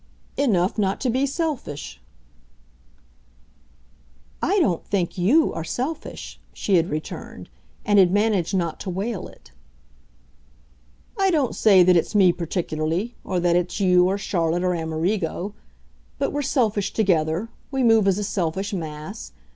"Enough not to be selfish." "I don't think YOU are selfish," she had returned and had managed not to wail it. "I don't say that it's me particularly or that it's you or Charlotte or Amerigo. But we're selfish together we move as a selfish mass.